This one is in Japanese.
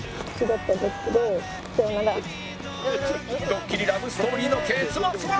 ドッキリラブストーリーの結末は